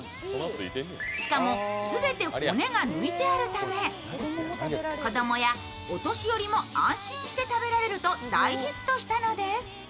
しかも、全て骨が抜いてあるため、子供やお年寄りも安心して食べられると大ヒットしたのです。